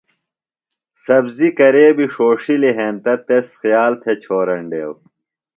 سبزیۡ کرے بیۡ ݜوݜِلیۡ ہینتہ تس خیال تھےۡ چھورینڈیوۡ۔